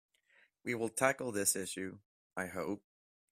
We will tackle this issue, I hope.